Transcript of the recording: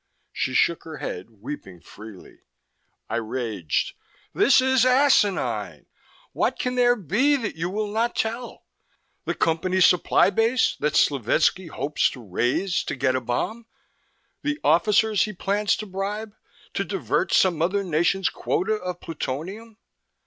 She shook her head, weeping freely. I raged: "This is asinine! What can there be that you will not tell? The Company supply base that Slovetski hopes to raid to get a bomb? The officers he plans to bribe, to divert some other nation's quota of plutonium?"